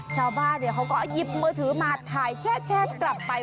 ชาวบ้านเขาก็หยิบมือถือมาถ่ายแช่กลับไป